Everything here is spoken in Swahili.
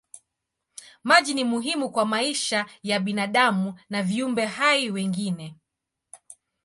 Maji ni muhimu kwa maisha ya binadamu na viumbe hai wengine.